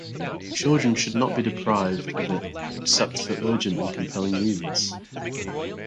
Children should not be deprived of it except for urgent and compelling reasons.